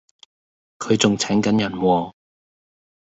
佢仲請緊人喎